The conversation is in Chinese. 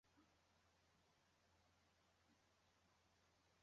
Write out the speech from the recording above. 统计学习理论而建立。